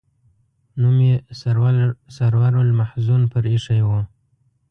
نوم یې سرور المحزون پر ایښی و.